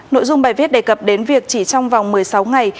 nội dung bài viết đề cập đến việc chỉ trong vòng một mươi sáu ngày